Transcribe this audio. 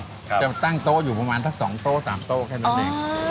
จะเล็กนิดเดียวจะตั้งโต๊ะอยู่ประมาณถ้า๒๓โต๊ะแค่นั้นเอง